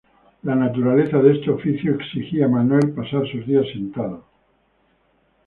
La naturaleza de este oficio exigía a Manuel pasar sus días sentado.